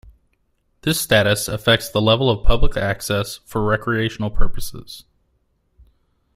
This status affects the level of public access for recreational purposes.